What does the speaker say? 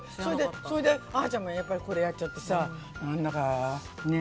それであーちゃんがやっぱりこれやっちゃってさ何だかね。